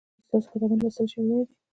ایا ستاسو کتابونه لوستل شوي نه دي؟